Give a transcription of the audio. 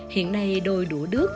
hiện nay đồi đũa đước